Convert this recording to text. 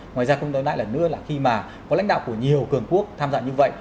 ngoài ra không nói lại là nữa là khi mà có lãnh đạo của nhiều cường quốc tham gia như vậy